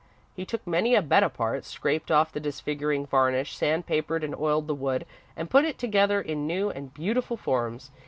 He took many a bed apart, scraped off the disfiguring varnish, sandpapered and oiled the wood, and put it together in new and beautiful forms.